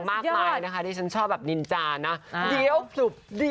๙๐มันคืออมตะมากกว่า